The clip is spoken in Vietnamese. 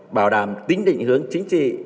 bảo đảm tính định hướng chính trị